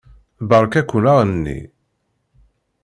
Beṛka-ken aɣenni.